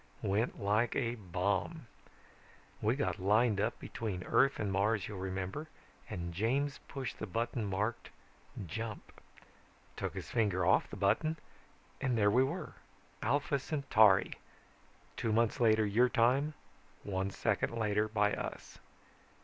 Went like a bomb. We got lined up between Earth and Mars, you'll remember, and James pushed the button marked 'Jump'. Took his finger off the button and there we were: Alpha Centauri. Two months later your time, one second later by us.